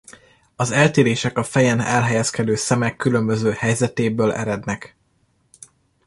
Az eltérések a fejen elhelyezkedő szemek különböző helyzetéből erednek.